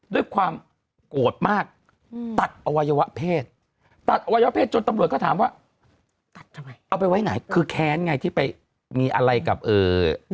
ด้วยความโกรธมากอืมตัดอวัยวะเพศตัดอวัยวะเพศจนตำรวจก็ถามว่าตัดทำไมเอาไปไว้ไหนคือแค้นไงที่ไปมีอะไรกับเอ่อ